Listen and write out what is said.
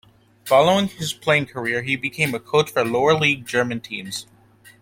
Following his playing career, he became a coach for lower-league German teams.